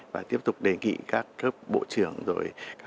và tiếp tục đề nghị các cơ bộ trưởng các cơ quan liên quan